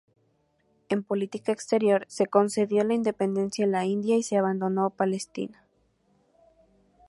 En política exterior, se concedió la independencia a la India y se abandonó Palestina.